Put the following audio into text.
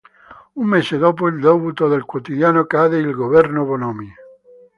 Un mese dopo il debutto del quotidiano cadde il governo Bonomi.